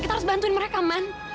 kita harus bantuin mereka man